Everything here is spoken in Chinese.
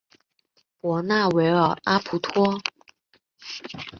博纳维尔阿普托。